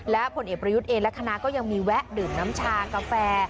และผลเอกประยุทธ์เองและคณะก็ยังมีแวะดื่มน้ำชากาแฟ